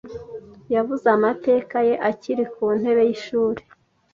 Yavuze amateka ye akiri ku ntebe y’ishuri,